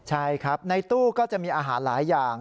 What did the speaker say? ใช่ครับในตู้ก็จะมีอาหารหลายอย่าง